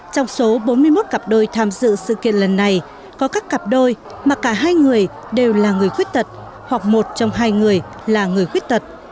trong số bốn mươi một cặp đôi tham dự sự kiện lần này có các cặp đôi mà cả hai người đều là người khuyết tật hoặc một trong hai người là người khuyết tật